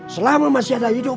selama masih ada hidup